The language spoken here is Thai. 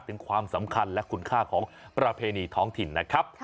ถึงความสำคัญและคุณค่าของประเพณีท้องถิ่นนะครับ